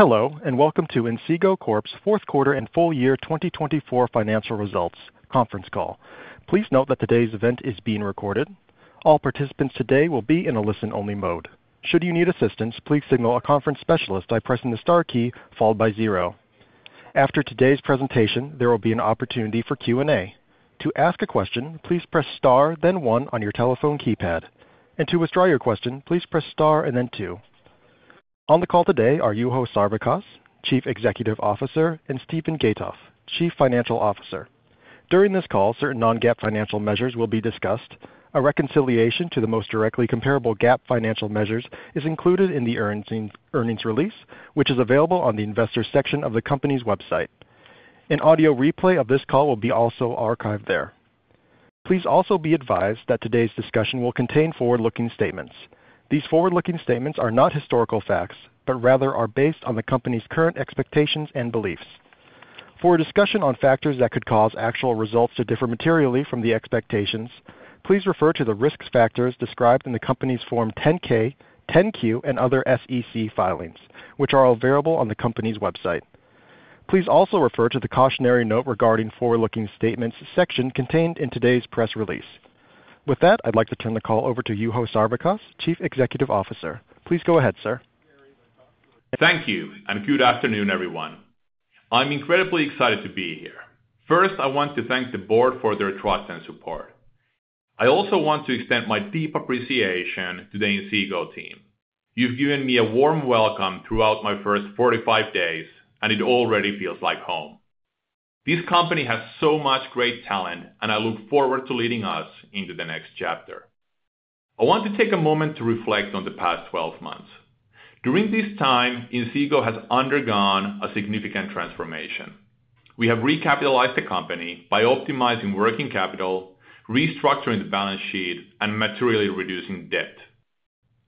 Hello, and welcome to Inseego Corp's Fourth Quarter and Full Year 2024 Financial Results Conference Call. Please note that today's event is being recorded. All participants today will be in a listen-only mode. Should you need assistance, please signal a conference specialist by pressing the star key followed by zero. After today's presentation, there will be an opportunity for Q&A. To ask a question, please press star, then one on your telephone keypad. To withdraw your question, please press star and then two. On the call today are Juho Sarvikas, Chief Executive Officer, and Steven Gatoff, Chief Financial Officer. During this call, certain non-GAAP financial measures will be discussed. A reconciliation to the most directly comparable GAAP financial measures is included in the earnings release, which is available on the investor section of the company's website. An audio replay of this call will also be archived there. Please also be advised that today's discussion will contain forward-looking statements. These forward-looking statements are not historical facts, but rather are based on the company's current expectations and beliefs. For a discussion on factors that could cause actual results to differ materially from the expectations, please refer to the risk factors described in the company's Form 10-K, 10-Q, and other SEC filings, which are available on the company's website. Please also refer to the cautionary note regarding forward-looking statements section contained in today's press release. With that, I'd like to turn the call over to Juho Sarvikas, Chief Executive Officer. Please go ahead, sir. Thank you, and good afternoon, everyone. I'm incredibly excited to be here. First, I want to thank the board for their trust and support. I also want to extend my deep appreciation to the Inseego team. You've given me a warm welcome throughout my first 45 days, and it already feels like home. This company has so much great talent, and I look forward to leading us into the next chapter. I want to take a moment to reflect on the past 12 months. During this time, Inseego has undergone a significant transformation. We have recapitalized the company by optimizing working capital, restructuring the balance sheet, and materially reducing debt.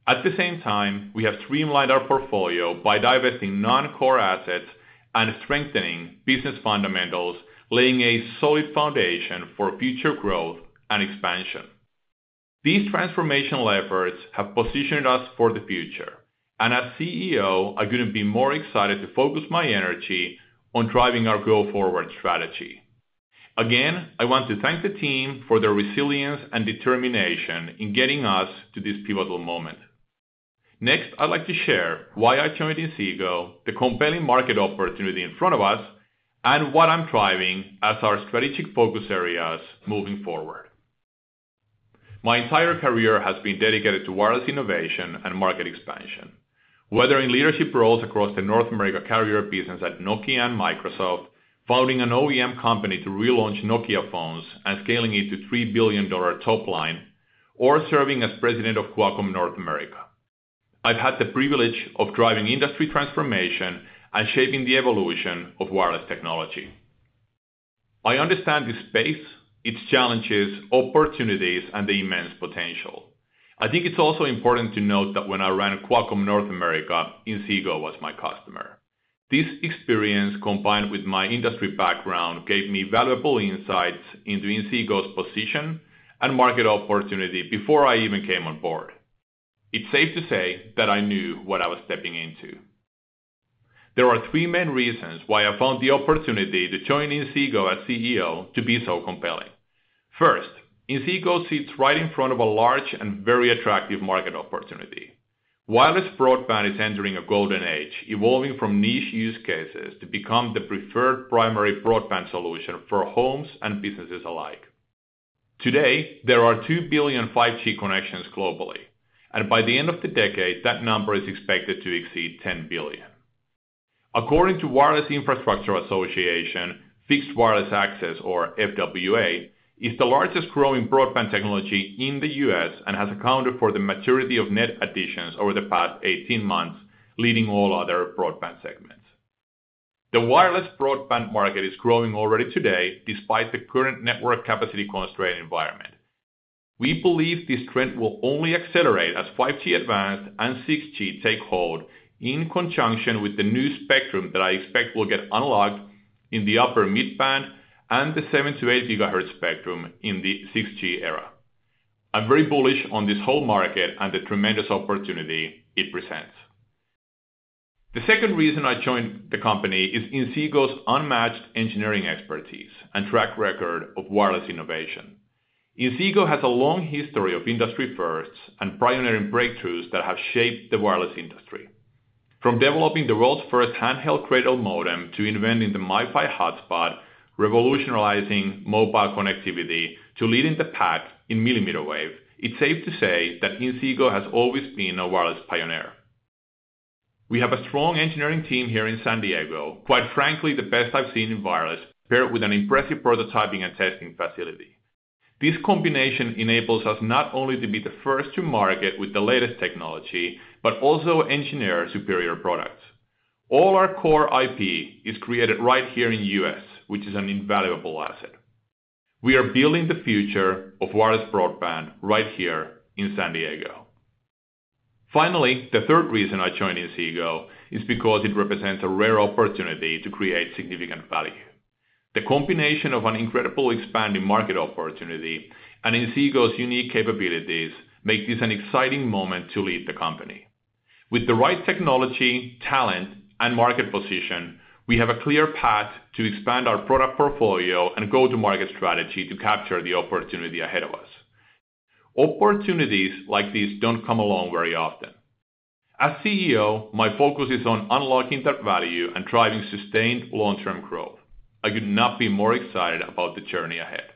At the same time, we have streamlined our portfolio by divesting non-core assets and strengthening business fundamentals, laying a solid foundation for future growth and expansion. These transformational efforts have positioned us for the future, and as CEO, I couldn't be more excited to focus my energy on driving our growth forward strategy. Again, I want to thank the team for their resilience and determination in getting us to this pivotal moment. Next, I'd like to share why I joined Inseego, the compelling market opportunity in front of us, and what I'm driving as our strategic focus areas moving forward. My entire career has been dedicated to wireless innovation and market expansion, whether in leadership roles across the North America carrier business at Nokia and Microsoft, founding an OEM company to relaunch Nokia phones and scaling it to $3 billion top line, or serving as president of Qualcomm North America. I've had the privilege of driving industry transformation and shaping the evolution of wireless technology. I understand this space, its challenges, opportunities, and the immense potential. I think it's also important to note that when I ran Qualcomm North America, Inseego was my customer. This experience, combined with my industry background, gave me valuable insights into Inseego's position and market opportunity before I even came on board. It's safe to say that I knew what I was stepping into. There are three main reasons why I found the opportunity to join Inseego as CEO to be so compelling. First, Inseego sits right in front of a large and very attractive market opportunity. Wireless broadband is entering a golden age, evolving from niche use cases to become the preferred primary broadband solution for homes and businesses alike. Today, there are 2 billion 5G connections globally, and by the end of the decade, that number is expected to exceed 10 billion. According to Wireless Infrastructure Association, Fixed Wireless Access, or FWA, is the largest growing broadband technology in the US and has accounted for the majority of net additions over the past 18 months, leading all other broadband segments. The wireless broadband market is growing already today, despite the current network capacity constraint environment. We believe this trend will only accelerate as 5G Advanced and 6G take hold in conjunction with the new spectrum that I expect will get unlocked in the upper midband and the 7-8 GHz spectrum in the 6G era. I'm very bullish on this whole market and the tremendous opportunity it presents. The second reason I joined the company is Inseego's unmatched engineering expertise and track record of wireless innovation. Inseego has a long history of industry firsts and pioneering breakthroughs that have shaped the wireless industry. From developing the world's first handheld cradle modem to inventing the MiFi hotspot, revolutionizing mobile connectivity, to leading the pack in millimeter wave, it's safe to say that Inseego has always been a wireless pioneer. We have a strong engineering team here in San Diego, quite frankly the best I've seen in wireless, paired with an impressive prototyping and testing facility. This combination enables us not only to be the first to market with the latest technology, but also engineer superior products. All our core IP is created right here in the US, which is an invaluable asset. We are building the future of wireless broadband right here in San Diego. Finally, the third reason I joined Inseego is because it represents a rare opportunity to create significant value. The combination of an incredible expanding market opportunity and Inseego's unique capabilities makes this an exciting moment to lead the company. With the right technology, talent, and market position, we have a clear path to expand our product portfolio and go-to-market strategy to capture the opportunity ahead of us. Opportunities like these do not come along very often. As CEO, my focus is on unlocking that value and driving sustained long-term growth. I could not be more excited about the journey ahead.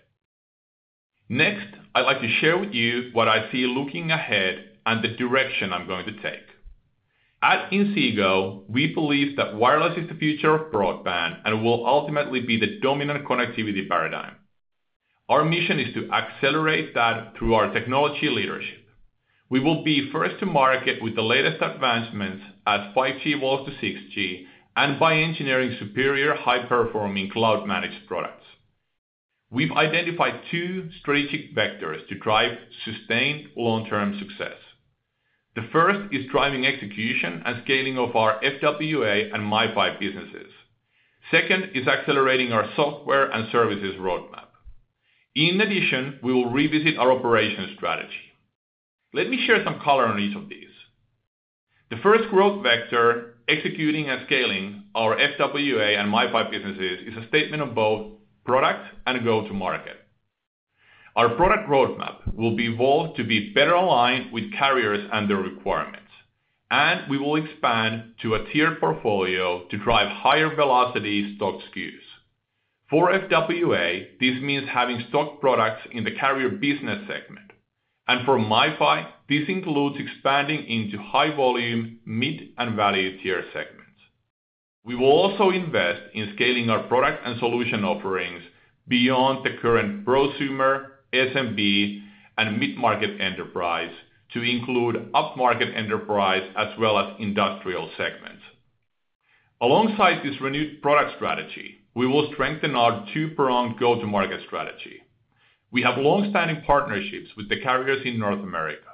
Next, I would like to share with you what I see looking ahead and the direction I am going to take. At Inseego, we believe that wireless is the future of broadband and will ultimately be the dominant connectivity paradigm. Our mission is to accelerate that through our technology leadership. We will be first to market with the latest advancements as 5G evolves to 6G and by engineering superior high-performing cloud-managed products. We have identified two strategic vectors to drive sustained long-term success. The first is driving execution and scaling of our FWA and MiFi businesses. Second is accelerating our software and services roadmap. In addition, we will revisit our operations strategy. Let me share some color on each of these. The first growth vector, executing and scaling our FWA and MiFi businesses, is a statement of both product and go-to-market. Our product roadmap will be evolved to be better aligned with carriers and their requirements, and we will expand to a tiered portfolio to drive higher velocity stock SKUs. For FWA, this means having stock products in the carrier business segment. For MiFi, this includes expanding into high-volume, mid, and value tier segments. We will also invest in scaling our product and solution offerings beyond the current prosumer, SMB, and mid-market enterprise to include up-market enterprise as well as industrial segments. Alongside this renewed product strategy, we will strengthen our two-pronged go-to-market strategy. We have long-standing partnerships with the carriers in North America.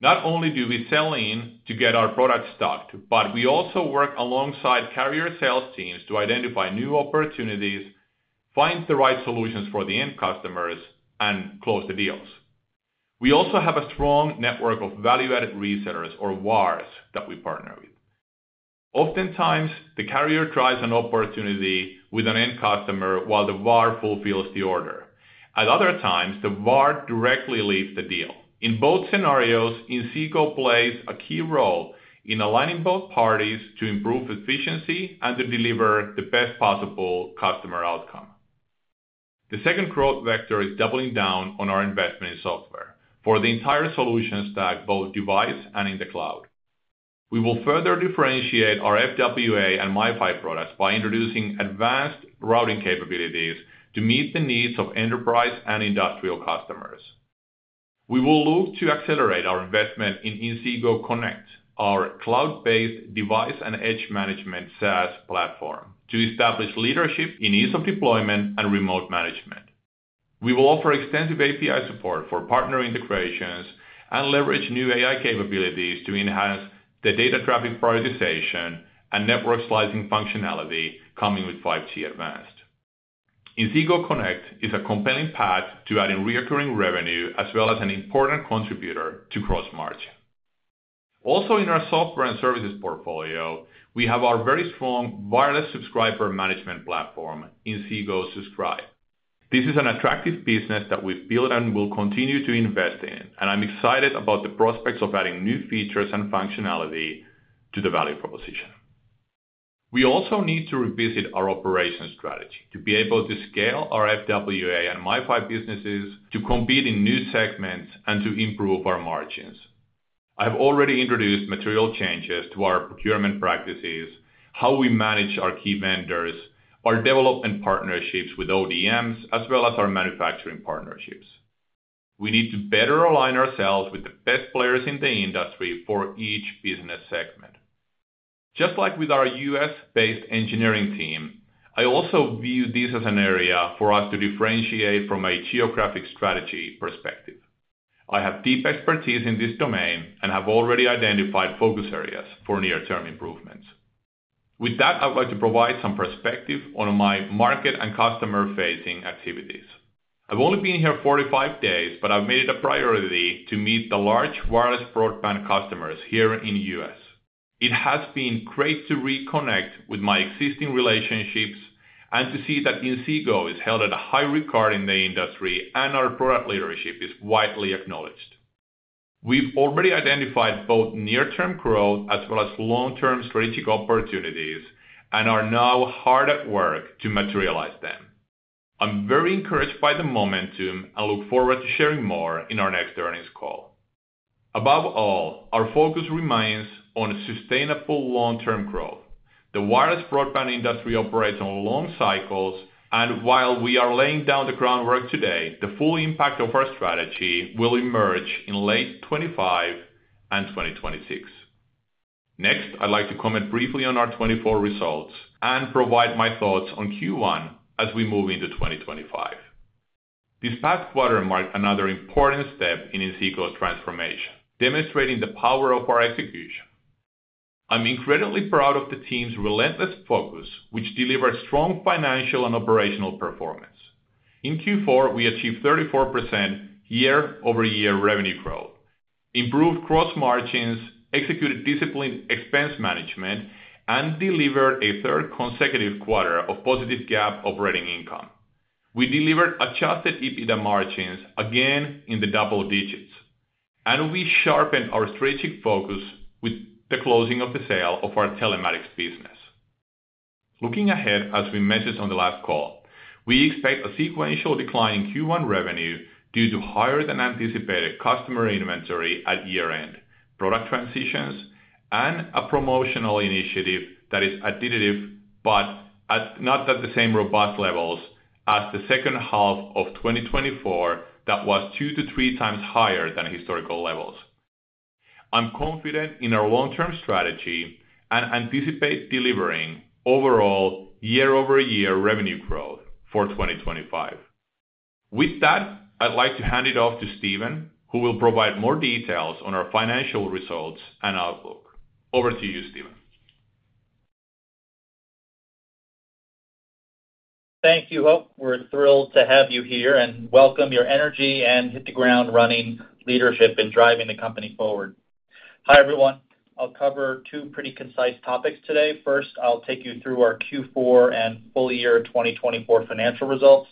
Not only do we sell in to get our product stocked, but we also work alongside carrier sales teams to identify new opportunities, find the right solutions for the end customers, and close the deals. We also have a strong network of value-added resellers, or VARs, that we partner with. Oftentimes, the carrier tries an opportunity with an end customer while the VAR fulfills the order. At other times, the VAR directly leads the deal. In both scenarios, Inseego plays a key role in aligning both parties to improve efficiency and to deliver the best possible customer outcome. The second growth vector is doubling down on our investment in software for the entire solution stack, both device and in the cloud. We will further differentiate our FWA and MiFi products by introducing advanced routing capabilities to meet the needs of enterprise and industrial customers. We will look to accelerate our investment in Inseego Connect, our cloud-based device and edge management SaaS platform, to establish leadership in ease of deployment and remote management. We will offer extensive API support for partner integrations and leverage new AI capabilities to enhance the data traffic prioritization and network slicing functionality coming with 5G Advanced. Inseego Connect is a compelling path to adding recurring revenue as well as an important contributor to gross margin. Also, in our software and services portfolio, we have our very strong wireless subscriber management platform, Inseego Subscribe. This is an attractive business that we've built and will continue to invest in, and I'm excited about the prospects of adding new features and functionality to the value proposition. We also need to revisit our operations strategy to be able to scale our FWA and MiFi businesses to compete in new segments and to improve our margins. I have already introduced material changes to our procurement practices, how we manage our key vendors, our development partnerships with ODMs, as well as our manufacturing partnerships. We need to better align ourselves with the best players in the industry for each business segment. Just like with our US-based engineering team, I also view this as an area for us to differentiate from a geographic strategy perspective. I have deep expertise in this domain and have already identified focus areas for near-term improvements. With that, I'd like to provide some perspective on my market and customer-facing activities. I've only been here 45 days, but I've made it a priority to meet the large wireless broadband customers here in the US. It has been great to reconnect with my existing relationships and to see that Inseego is held at a high regard in the industry and our product leadership is widely acknowledged. We've already identified both near-term growth as well as long-term strategic opportunities and are now hard at work to materialize them. I'm very encouraged by the momentum and look forward to sharing more in our next earnings call. Above all, our focus remains on sustainable long-term growth. The wireless broadband industry operates on long cycles, and while we are laying down the groundwork today, the full impact of our strategy will emerge in late 2025 and 2026. Next, I'd like to comment briefly on our 2024 results and provide my thoughts on Q1 as we move into 2025. This past quarter marked another important step in Inseego's transformation, demonstrating the power of our execution. I'm incredibly proud of the team's relentless focus, which delivered strong financial and operational performance. In Q4, we achieved 34% year-over-year revenue growth, improved gross margins, executed disciplined expense management, and delivered a third consecutive quarter of positive GAAP operating income. We delivered adjusted EBITDA margins again in the double digits, and we sharpened our strategic focus with the closing of the sale of our telematics business. Looking ahead as we mentioned on the last call, we expect a sequential decline in Q1 revenue due to higher-than-anticipated customer inventory at year-end, product transitions, and a promotional initiative that is additive but not at the same robust levels as the second half of 2024 that was two to three times higher than historical levels. I'm confident in our long-term strategy and anticipate delivering overall year-over-year revenue growth for 2025. With that, I'd like to hand it off to Steven, who will provide more details on our financial results and outlook. Over to you, Steven. Thank you, Juho. We're thrilled to have you here and welcome your energy and hit-the-ground-running leadership in driving the company forward. Hi, everyone. I'll cover two pretty concise topics today. First, I'll take you through our Q4 and full year 2024 financial results.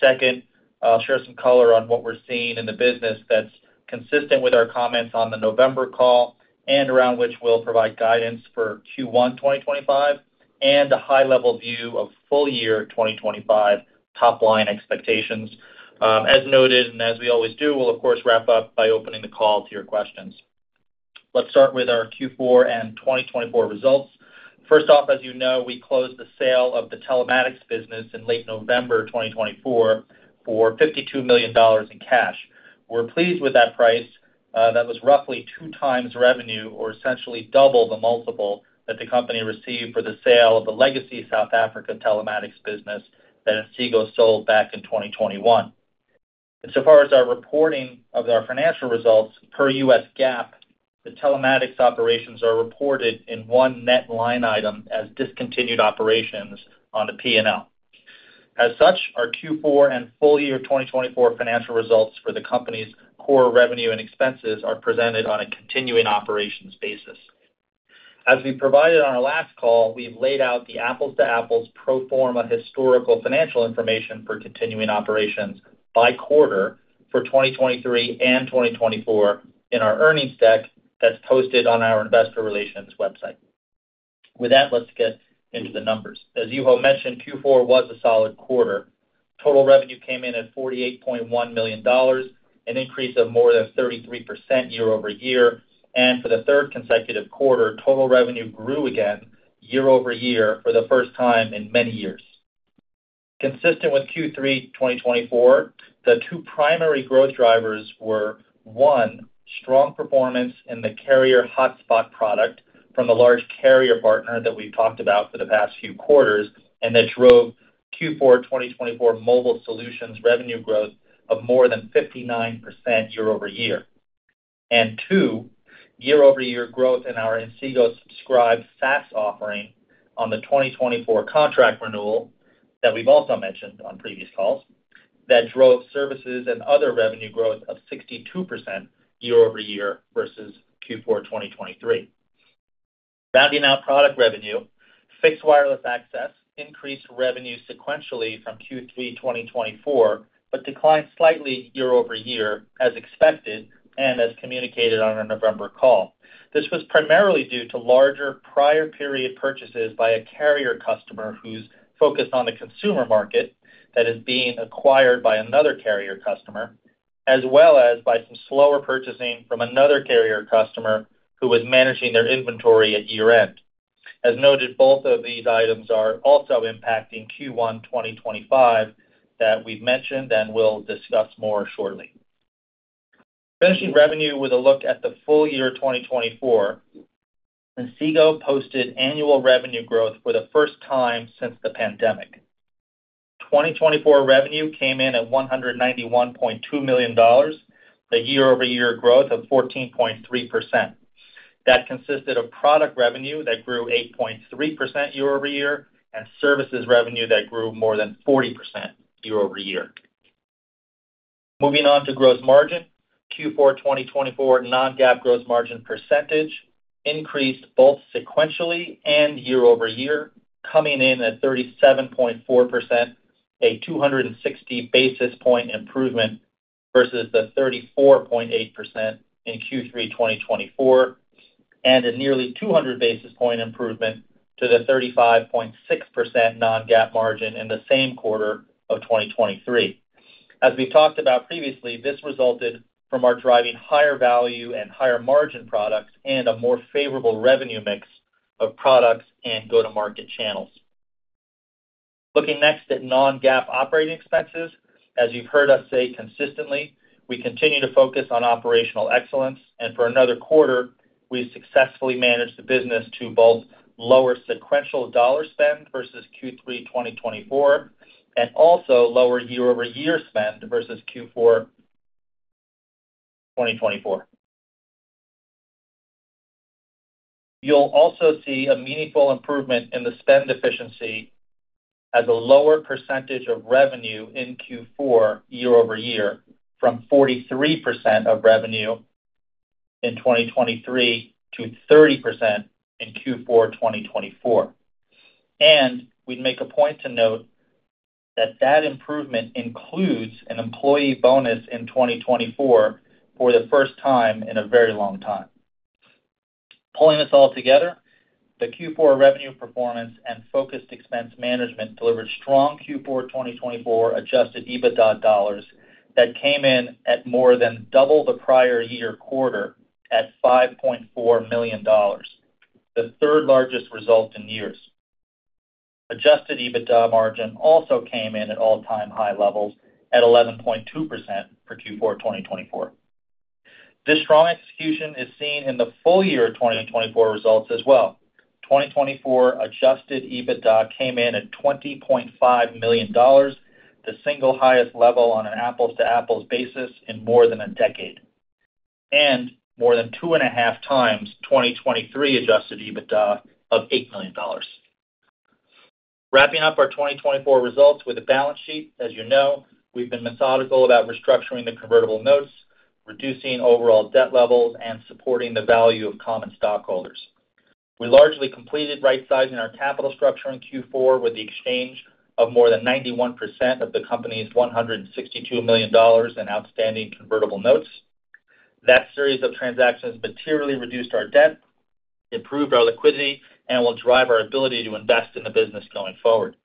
Second, I'll share some color on what we're seeing in the business that's consistent with our comments on the November call and around which we'll provide guidance for Q1 2025 and a high-level view of full year 2025 top-line expectations. As noted, and as we always do, we'll, of course, wrap up by opening the call to your questions. Let's start with our Q4 and 2024 results. First off, as you know, we closed the sale of the telematics business in late November 2024 for $52 million in cash. We're pleased with that price. That was roughly two times revenue, or essentially double the multiple that the company received for the sale of the legacy South Africa telematics business that Inseego sold back in 2021. Insofar as our reporting of our financial results per U.S. GAAP, the telematics operations are reported in one net line item as discontinued operations on the P&L. As such, our Q4 and full year 2024 financial results for the company's core revenue and expenses are presented on a continuing operations basis. As we provided on our last call, we've laid out the apples-to-apples pro forma historical financial information for continuing operations by quarter for 2023 and 2024 in our earnings deck that's posted on our investor relations website. With that, let's get into the numbers. As Juho mentioned, Q4 was a solid quarter. Total revenue came in at $48.1 million, an increase of more than 33% year-over-year. For the third consecutive quarter, total revenue grew again year-over-year for the first time in many years. Consistent with Q3 2024, the two primary growth drivers were, one, strong performance in the carrier hotspot product from the large carrier partner that we've talked about for the past few quarters and that drove Q4 2024 mobile solutions revenue growth of more than 59% year-over-year. Two, year-over-year growth in our Inseego Subscribe SaaS offering on the 2024 contract renewal that we've also mentioned on previous calls that drove services and other revenue growth of 62% year-over-year versus Q4 2023. Rounding out product revenue, Fixed Wireless Access increased revenue sequentially from Q3 2024, but declined slightly year-over-year as expected and as communicated on our November call. This was primarily due to larger prior-period purchases by a carrier customer who's focused on the consumer market that is being acquired by another carrier customer, as well as by some slower purchasing from another carrier customer who was managing their inventory at year-end. As noted, both of these items are also impacting Q1 2025 that we've mentioned and will discuss more shortly. Finishing revenue with a look at the full year 2024, Inseego posted annual revenue growth for the first time since the pandemic. 2024 revenue came in at $191.2 million, a year-over-year growth of 14.3%. That consisted of product revenue that grew 8.3% year-over-year and services revenue that grew more than 40% year-over-year. Moving on to gross margin, Q4 2024 non-GAAP gross margin percentage increased both sequentially and year-over-year, coming in at 37.4%, a 260 basis point improvement versus the 34.8% in Q3 2024, and a nearly 200 basis point improvement to the 35.6% non-GAAP margin in the same quarter of 2023. As we've talked about previously, this resulted from our driving higher value and higher margin products and a more favorable revenue mix of products and go-to-market channels. Looking next at non-GAAP operating expenses, as you've heard us say consistently, we continue to focus on operational excellence. For another quarter, we've successfully managed the business to both lower sequential dollar spend versus Q3 2024 and also lower year-over-year spend versus Q4 2024. You'll also see a meaningful improvement in the spend efficiency as a lower percentage of revenue in Q4 year-over-year from 43% of revenue in 2023 to 30% in Q4 2024. We'd make a point to note that that improvement includes an employee bonus in 2024 for the first time in a very long time. Pulling this all together, the Q4 revenue performance and focused expense management delivered strong Q4 2024 adjusted EBITDA dollars that came in at more than double the prior year quarter at $5.4 million, the third largest result in years. Adjusted EBITDA margin also came in at all-time high levels at 11.2% for Q4 2024. This strong execution is seen in the full year 2024 results as well. 2024 adjusted EBITDA came in at $20.5 million, the single highest level on an apples-to-apples basis in more than a decade, and more than two and a half times 2023 adjusted EBITDA of $8 million. Wrapping up our 2024 results with a balance sheet, as you know, we've been methodical about restructuring the convertible notes, reducing overall debt levels, and supporting the value of common stockholders. We largely completed right-sizing our capital structure in Q4 with the exchange of more than 91% of the company's $162 million in outstanding convertible notes. That series of transactions materially reduced our debt, improved our liquidity, and will drive our ability to invest in the business going forward.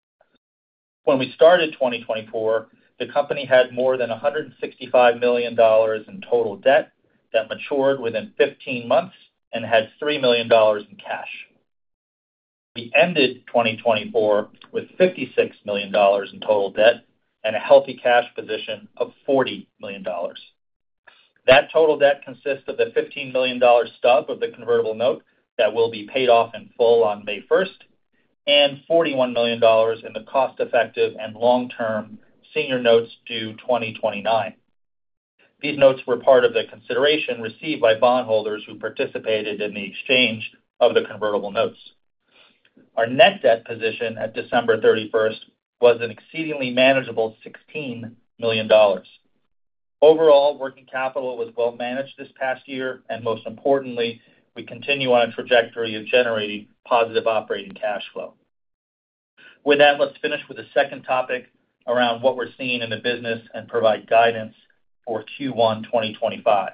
When we started 2024, the company had more than $165 million in total debt that matured within 15 months and had $3 million in cash. We ended 2024 with $56 million in total debt and a healthy cash position of $40 million. That total debt consists of the $15 million stub of the convertible note that will be paid off in full on May 1st and $41 million in the cost-effective and long-term senior notes due 2029. These notes were part of the consideration received by bondholders who participated in the exchange of the convertible notes. Our net debt position at December 31st was an exceedingly manageable $16 million. Overall, working capital was well managed this past year, and most importantly, we continue on a trajectory of generating positive operating cash flow. With that, let's finish with a second topic around what we're seeing in the business and provide guidance for Q1 2025.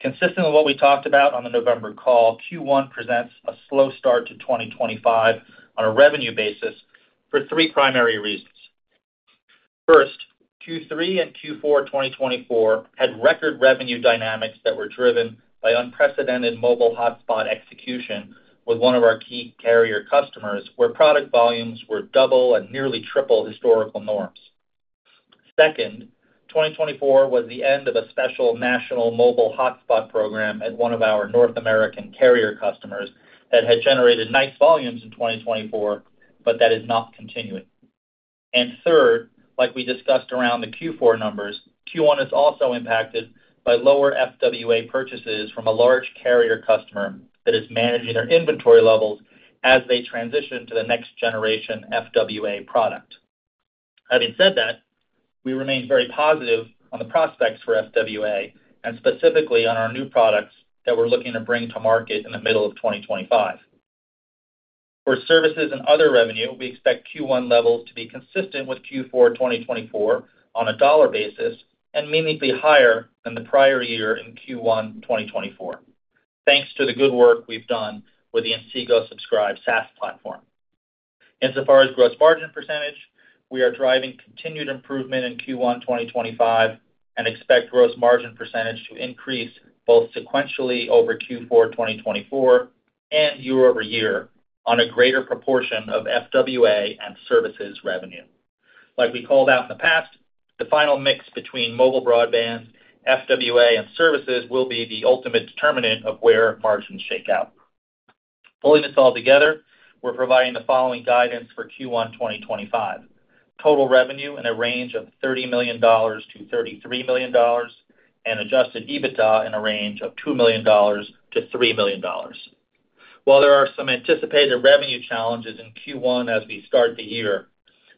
Consistent with what we talked about on the November call, Q1 presents a slow start to 2025 on a revenue basis for three primary reasons. First, Q3 and Q4 2024 had record revenue dynamics that were driven by unprecedented mobile hotspot execution with one of our key carrier customers where product volumes were double and nearly triple historical norms. Second, 2024 was the end of a special national mobile hotspot program at one of our North American carrier customers that had generated nice volumes in 2024, but that is not continuing. Third, like we discussed around the Q4 numbers, Q1 is also impacted by lower Fixed Wireless Access purchases from a large carrier customer that is managing their inventory levels as they transition to the next generation Fixed Wireless Access product. Having said that, we remained very positive on the prospects for FWA and specifically on our new products that we're looking to bring to market in the middle of 2025. For services and other revenue, we expect Q1 levels to be consistent with Q4 2024 on a dollar basis and meaningfully higher than the prior year in Q1 2024, thanks to the good work we've done with the Inseego Subscribe SaaS platform. Insofar as gross margin percentage, we are driving continued improvement in Q1 2025 and expect gross margin percentage to increase both sequentially over Q4 2024 and year-over-year on a greater proportion of FWA and services revenue. Like we called out in the past, the final mix between mobile broadband, FWA, and services will be the ultimate determinant of where margins shake out. Pulling this all together, we're providing the following guidance for Q1 2025: total revenue in a range of $30 million-$33 million and adjusted EBITDA in a range of $2 million-$3 million. While there are some anticipated revenue challenges in Q1 as we start the year,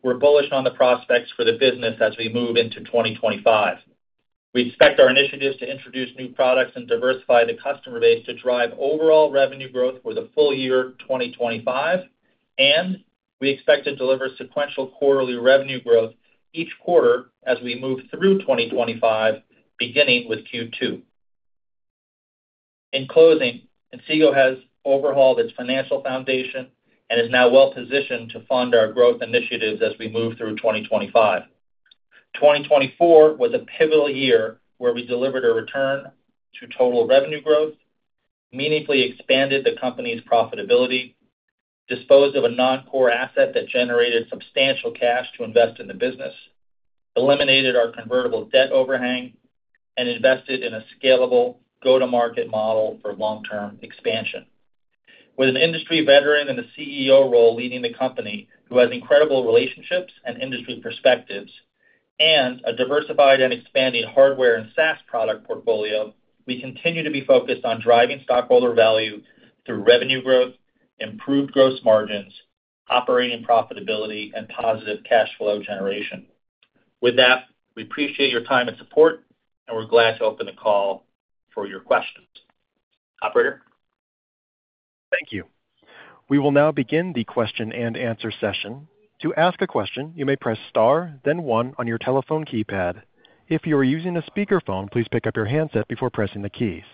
we're bullish on the prospects for the business as we move into 2025. We expect our initiatives to introduce new products and diversify the customer base to drive overall revenue growth for the full year 2025, and we expect to deliver sequential quarterly revenue growth each quarter as we move through 2025, beginning with Q2. In closing, Inseego has overhauled its financial foundation and is now well positioned to fund our growth initiatives as we move through 2025. 2024 was a pivotal year where we delivered a return to total revenue growth, meaningfully expanded the company's profitability, disposed of a non-core asset that generated substantial cash to invest in the business, eliminated our convertible debt overhang, and invested in a scalable go-to-market model for long-term expansion. With an industry veteran in the CEO role leading the company, who has incredible relationships and industry perspectives, and a diversified and expanding hardware and SaaS product portfolio, we continue to be focused on driving stockholder value through revenue growth, improved gross margins, operating profitability, and positive cash flow generation. With that, we appreciate your time and support, and we're glad to open the call for your questions. Operator. Thank you. We will now begin the question and answer session. To ask a question, you may press star, then one on your telephone keypad. If you are using a speakerphone, please pick up your handset before pressing the keys.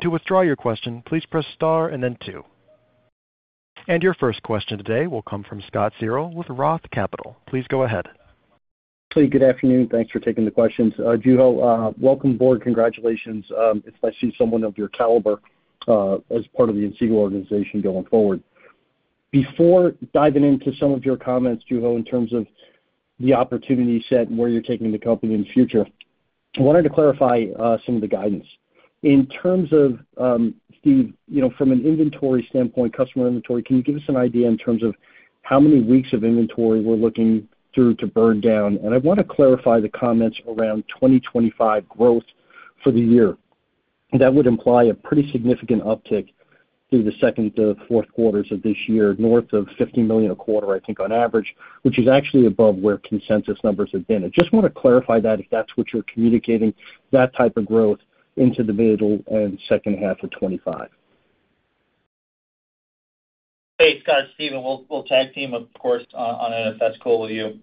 To withdraw your question, please press star and then two. Your first question today will come from Scott Searle with Roth Capital. Please go ahead. Hey, good afternoon. Thanks for taking the questions. Juho, welcome, board. Congratulations. It's nice to see someone of your caliber as part of the Inseego organization going forward. Before diving into some of your comments, Juho, in terms of the opportunity set and where you're taking the company in the future, I wanted to clarify some of the guidance. In terms of, Steve, from an inventory standpoint, customer inventory, can you give us an idea in terms of how many weeks of inventory we're looking through to burn down? I want to clarify the comments around 2025 growth for the year. That would imply a pretty significant uptick through the second to fourth quarters of this year, north of $50 million a quarter, I think, on average, which is actually above where consensus numbers have been. I just want to clarify that if that's what you're communicating, that type of growth into the middle and second half of 2025. Hey, Scott, Steven, we'll tag team, of course, on a fast call with you.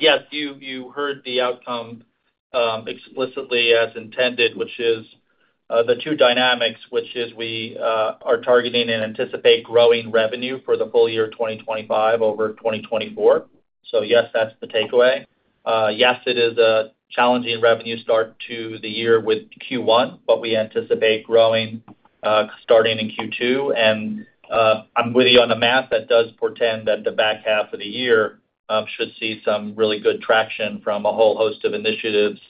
Yes, you heard the outcome explicitly as intended, which is the two dynamics, which is we are targeting and anticipate growing revenue for the full year 2025 over 2024. Yes, that's the takeaway. Yes, it is a challenging revenue start to the year with Q1, but we anticipate growing starting in Q2. I'm with you on the math. That does portend that the back half of the year should see some really good traction from a whole host of initiatives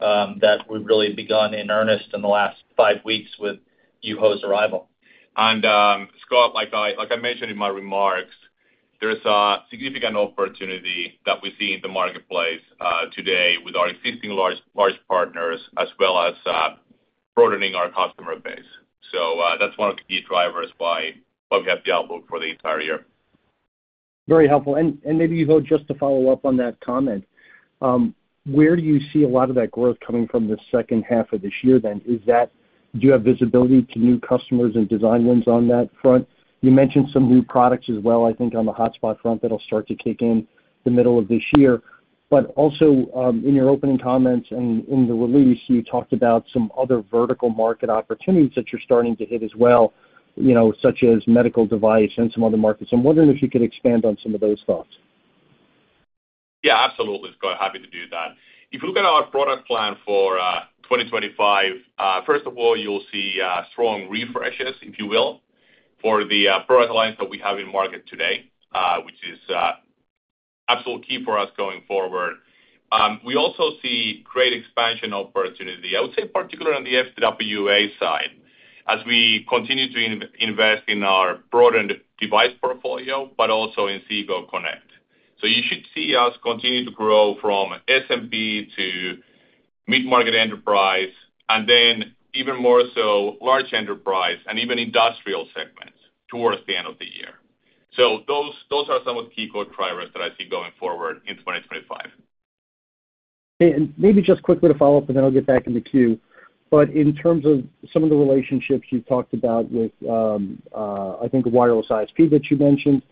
that we've really begun in earnest in the last five weeks with Juho's arrival. Scott, like I mentioned in my remarks, there's a significant opportunity that we see in the marketplace today with our existing large partners as well as broadening our customer base. That is one of the key drivers why we have the outlook for the entire year. Very helpful. Maybe, Juho, just to follow up on that comment, where do you see a lot of that growth coming from the second half of this year then? Do you have visibility to new customers and design wins on that front? You mentioned some new products as well, I think, on the hotspot front that'll start to kick in the middle of this year. Also, in your opening comments and in the release, you talked about some other vertical market opportunities that you're starting to hit as well, such as medical device and some other markets. I'm wondering if you could expand on some of those thoughts. Yeah, absolutely. Scott, happy to do that. If you look at our product plan for 2025, first of all, you'll see strong refreshes, if you will, for the product lines that we have in market today, which is absolute key for us going forward. We also see great expansion opportunity, I would say, particularly on the FWA side, as we continue to invest in our broadened device portfolio, but also Inseego Connect. You should see us continue to grow from SMB to mid-market enterprise, and then even more so large enterprise and even industrial segments towards the end of the year. Those are some of the key core drivers that I see going forward in 2025. Maybe just quickly to follow up, and then I'll get back in the queue. In terms of some of the relationships you've talked about with, I think, wireless ISP that you mentioned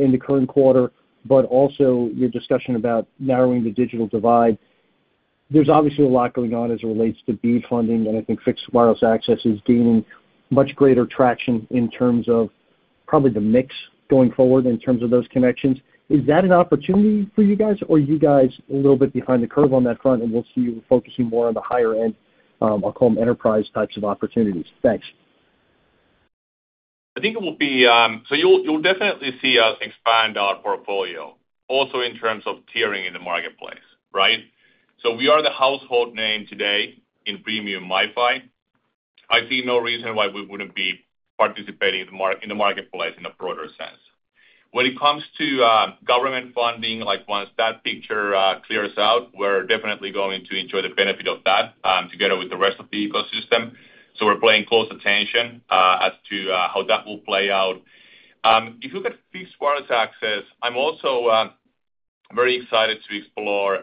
in the current quarter, but also your discussion about narrowing the digital divide, there's obviously a lot going on as it relates to B funding, and I think Fixed Wireless Access is gaining much greater traction in terms of probably the mix going forward in terms of those connections. Is that an opportunity for you guys, or are you guys a little bit behind the curve on that front, and we'll see you focusing more on the higher-end, I'll call them enterprise types of opportunities? Thanks. I think it will be, so you'll definitely see us expand our portfolio, also in terms of tiering in the marketplace, right? We are the household name today in premium Wi-Fi. I see no reason why we wouldn't be participating in the marketplace in a broader sense. When it comes to government funding, like once that picture clears out, we're definitely going to enjoy the benefit of that together with the rest of the ecosystem. We're paying close attention as to how that will play out. If you look at Fixed Wireless Access, I'm also very excited to explore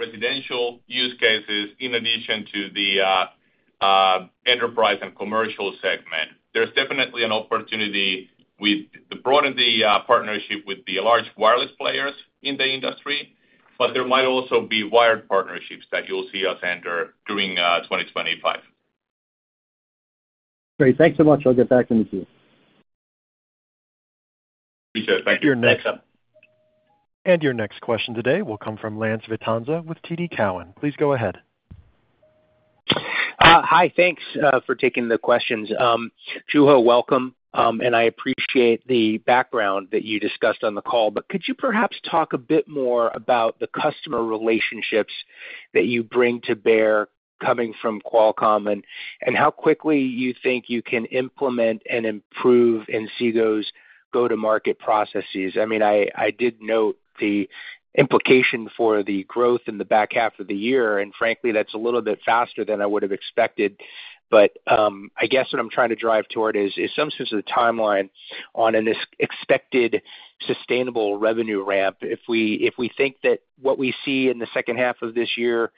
residential use cases in addition to the enterprise and commercial segment. There's definitely an opportunity with the broadened partnership with the large wireless players in the industry, but there might also be wired partnerships that you'll see us enter during 2025. Great. Thanks so much. I'll get back in the queue. Appreciate it. Thank you. Thanks. Your next question today will come from Lance Vitanza with TD Cowen. Please go ahead. Hi, thanks for taking the questions. Juho, welcome, and I appreciate the background that you discussed on the call, but could you perhaps talk a bit more about the customer relationships that you bring to bear coming from Qualcomm and how quickly you think you can implement and improve Inseego's go-to-market processes? I mean, I did note the implication for the growth in the back half of the year, and frankly, that's a little bit faster than I would have expected. I guess what I'm trying to drive toward is some sense of the timeline on an expected sustainable revenue ramp. If we think that what we see in the second half of this year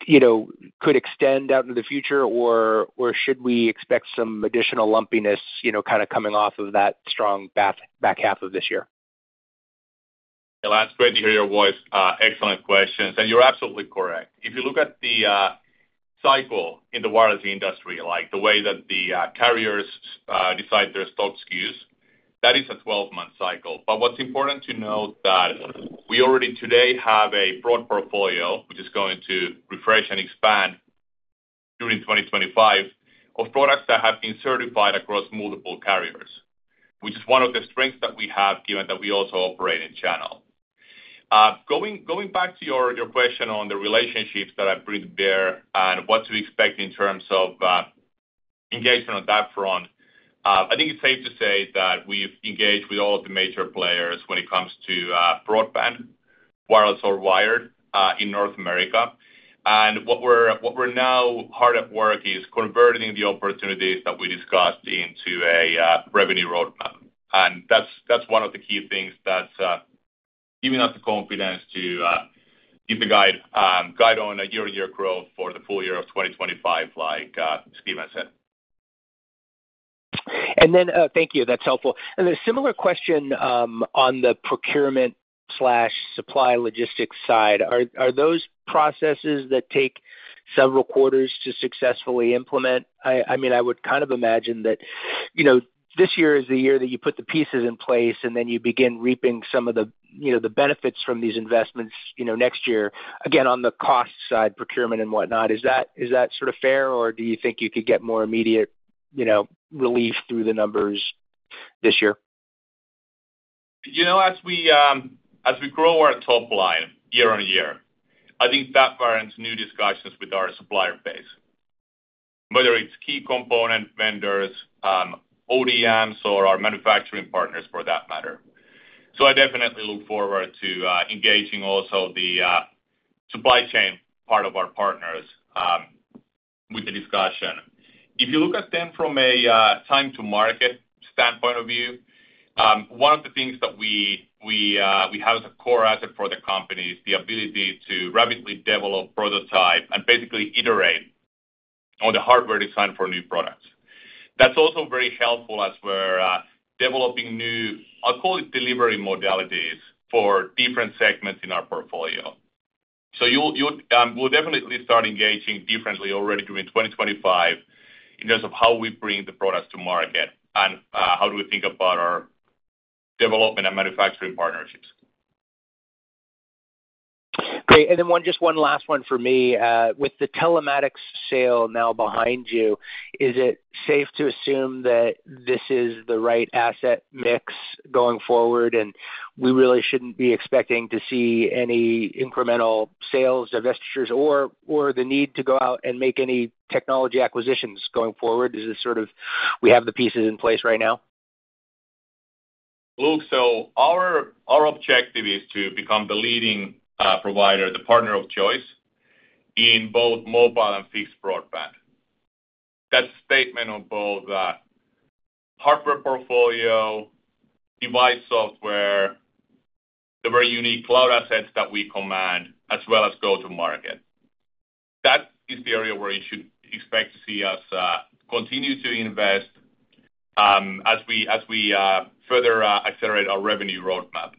could extend out into the future, or should we expect some additional lumpiness kind of coming off of that strong back half of this year? It is great to hear your voice. Excellent questions. You are absolutely correct. If you look at the cycle in the wireless industry, like the way that the carriers decide their stock SKUs, that is a 12-month cycle. What is important to note is that we already today have a broad portfolio, which is going to refresh and expand during 2025, of products that have been certified across multiple carriers, which is one of the strengths that we have given that we also operate in channel. Going back to your question on the relationships that I bring to bear and what to expect in terms of engagement on that front, I think it's safe to say that we've engaged with all of the major players when it comes to broadband, wireless, or wired in North America. What we're now hard at work on is converting the opportunities that we discussed into a revenue roadmap. That's one of the key things that's giving us the confidence to keep the guide on a year-on-year growth for the full year of 2025, like Steven said. Thank you. That's helpful. A similar question on the procurement/supply logistics side. Are those processes that take several quarters to successfully implement? I mean, I would kind of imagine that this year is the year that you put the pieces in place, and then you begin reaping some of the benefits from these investments next year, again, on the cost side, procurement and whatnot. Is that sort of fair, or do you think you could get more immediate relief through the numbers this year? As we grow our top line year on year, I think that varies new discussions with our supplier base, whether it's key component vendors, ODMs, or our manufacturing partners for that matter. I definitely look forward to engaging also the supply chain part of our partners with the discussion. If you look at them from a time-to-market standpoint of view, one of the things that we have as a core asset for the company is the ability to rapidly develop, prototype, and basically iterate on the hardware design for new products. That is also very helpful as we are developing new, I will call it delivery modalities for different segments in our portfolio. We will definitely start engaging differently already during 2025 in terms of how we bring the products to market and how we think about our development and manufacturing partnerships. Great. Just one last one for me. With the telematics sale now behind you, is it safe to assume that this is the right asset mix going forward, and we really should not be expecting to see any incremental sales, divestitures, or the need to go out and make any technology acquisitions going forward? Is it sort of we have the pieces in place right now? Look, our objective is to become the leading provider, the partner of choice in both mobile and fixed broadband. That's a statement of both hardware portfolio, device software, the very unique cloud assets that we command, as well as go-to-market. That is the area where you should expect to see us continue to invest as we further accelerate our revenue roadmap.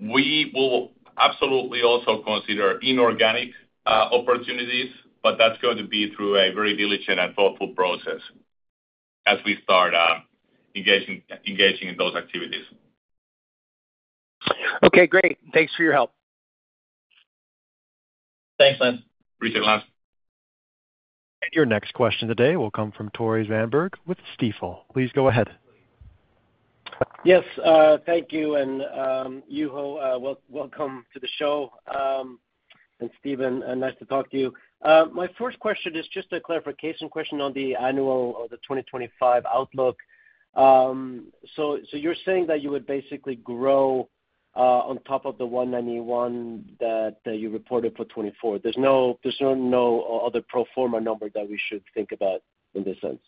We will absolutely also consider inorganic opportunities, but that's going to be through a very diligent and thoughtful process as we start engaging in those activities. Okay. Great. Thanks for your help. Thanks, Lance. Appreciate it, Lance. Your next question today will come from Tore Svanberg with Stifel. Please go ahead. Yes. Thank you. Juho, welcome to the show. Steven, nice to talk to you. My first question is just a clarification question on the annual or the 2025 outlook. So you're saying that you would basically grow on top of the $191 million that you reported for 2024. There's no other pro forma number that we should think about in this sense.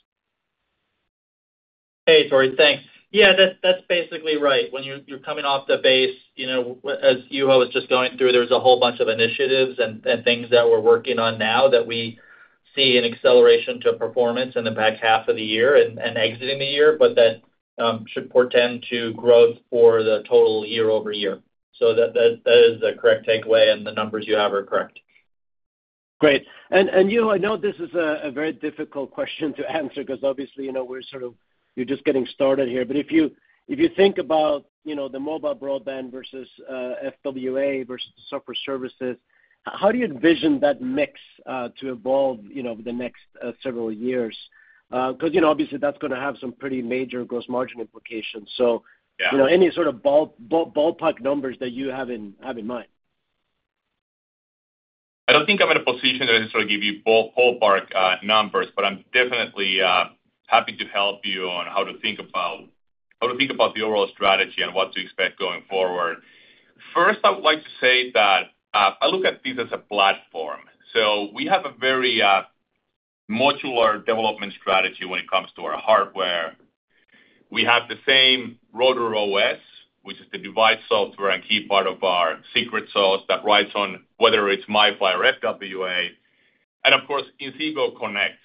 Hey, Tore. Thanks. Yeah, that's basically right. When you're coming off the base, as Juho was just going through, there's a whole bunch of initiatives and things that we're working on now that we see an acceleration to performance in the back half of the year and exiting the year, but that should portend to growth for the total year over year. That is the correct takeaway, and the numbers you have are correct. Great. And Juho, I know this is a very difficult question to answer because obviously we're sort of you're just getting started here. If you think about the mobile broadband versus FWA versus the software services, how do you envision that mix to evolve over the next several years? Because obviously that's going to have some pretty major gross margin implications. Any sort of ballpark numbers that you have in mind? I don't think I'm in a position to sort of give you ballpark numbers, but I'm definitely happy to help you on how to think about the overall strategy and what to expect going forward. First, I would like to say that I look at this as a platform. We have a very modular development strategy when it comes to our hardware. We have the same router OS, which is the device software and key part of our secret sauce that rides on whether it's my FWA. Of course, Inseego Connect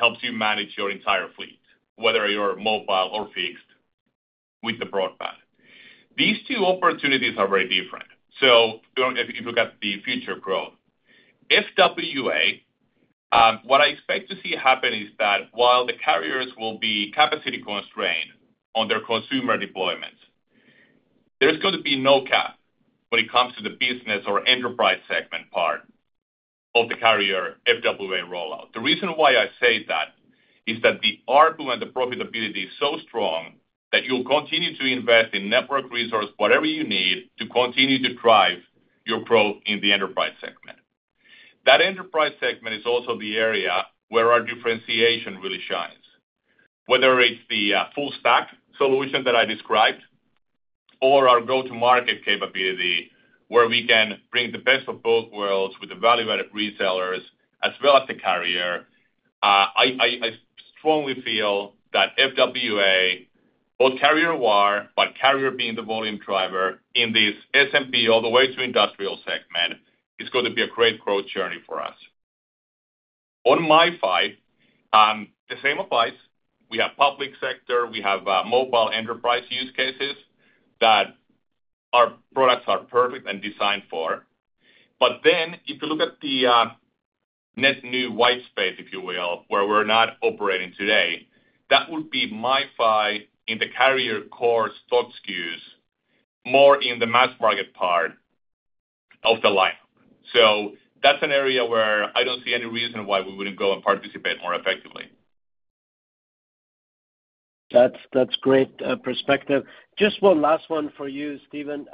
helps you manage your entire fleet, whether you're mobile or fixed with the broadband. These two opportunities are very different. If you look at the future growth, FWA, what I expect to see happen is that while the carriers will be capacity constrained on their consumer deployments, there's going to be no cap when it comes to the business or enterprise segment part of the carrier FWA rollout. The reason why I say that is that the arbitrary and the profitability is so strong that you'll continue to invest in network resource, whatever you need to continue to drive your growth in the enterprise segment. That enterprise segment is also the area where our differentiation really shines. Whether it's the full-stack solution that I described or our go-to-market capability where we can bring the best of both worlds with the value-added resellers as well as the carrier, I strongly feel that FWA, both carrier-wire, but carrier being the volume driver in this SMP all the way to industrial segment, is going to be a great growth journey for us. On my side, the same applies. We have public sector. We have mobile enterprise use cases that our products are perfect and designed for. If you look at the net new white space, if you will, where we're not operating today, that would be MiFi in the carrier core stock SKUs more in the mass market part of the line. That's an area where I don't see any reason why we wouldn't go and participate more effectively. That's great perspective. Just one last one for you, Steven.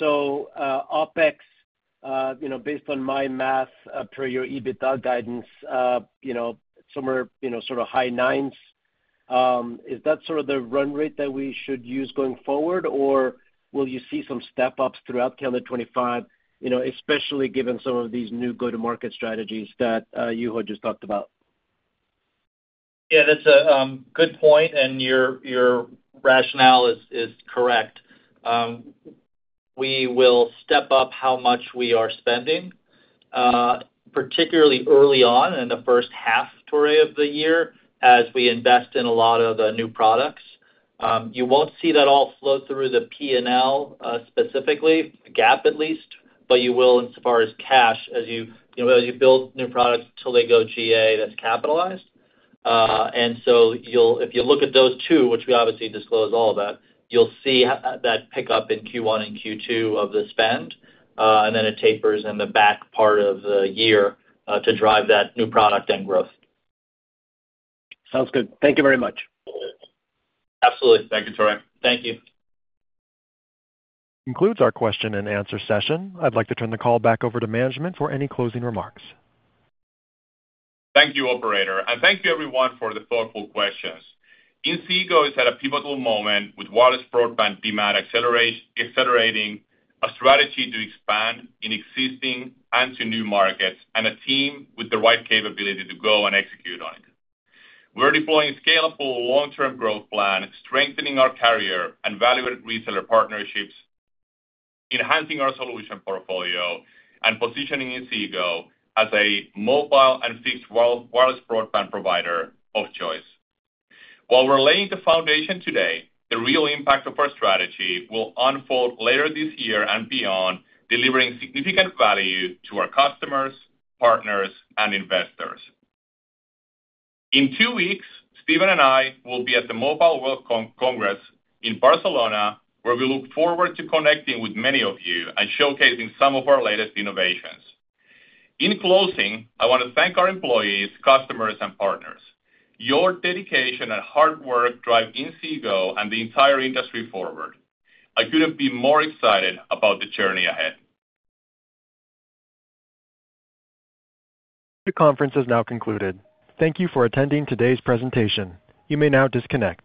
OpEx, based on my math per your EBITDA guidance, somewhere sort of high nines. Is that sort of the run rate that we should use going forward, or will you see some step-ups throughout 2025, especially given some of these new go-to-market strategies that Juho just talked about? Yeah, that's a good point, and your rationale is correct. We will step up how much we are spending, particularly early on in the first half, Tore, of the year as we invest in a lot of the new products. You will not see that all flow through the P&L specifically, GAAP at least, but you will insofar as cash as you build new products till they go GA that is capitalized. If you look at those two, which we obviously disclose all of that, you'll see that pickup in Q1 and Q2 of the spend, and then it tapers in the back part of the year to drive that new product and growth. Sounds good. Thank you very much. Absolutely. Thank you, Torrey. Thank you. Concludes our question and answer session. I'd like to turn the call back over to management for any closing remarks. Thank you, Operator. And thank you, everyone, for the thoughtful questions. Inseego is at a pivotal moment with wireless broadband demand accelerating, a strategy to expand in existing and to new markets, and a team with the right capability to go and execute on it. We're deploying a scalable long-term growth plan, strengthening our carrier and value-added reseller partnerships, enhancing our solution portfolio, and positioning Inseego as a mobile and fixed wireless broadband provider of choice. While we're laying the foundation today, the real impact of our strategy will unfold later this year and beyond, delivering significant value to our customers, partners, and investors. In two weeks, Steven and I will be at the Mobile World Congress in Barcelona, where we look forward to connecting with many of you and showcasing some of our latest innovations. In closing, I want to thank our employees, customers, and partners. Your dedication and hard work drive Inseego and the entire industry forward. I couldn't be more excited about the journey ahead. The conference has now concluded. Thank you for attending today's presentation. You may now disconnect.